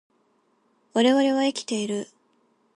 我々は生きている